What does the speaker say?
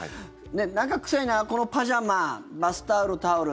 なんか臭いな、このパジャマバスタオル、タオル。